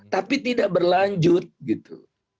tapi tidak berlanjut gitu